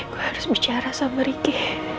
gua harus bicara sama riki